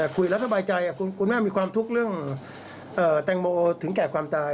คุยแล้วสบายใจคุณแม่มีความทุกข์เรื่องแตงโมถึงแก่ความตาย